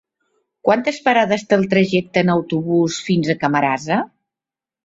Quantes parades té el trajecte en autobús fins a Camarasa?